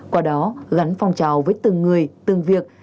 qua đó gắn phong trào với từng người từng việc